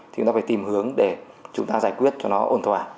thì chúng ta phải tìm hướng để giải quyết cho nó ổn thỏa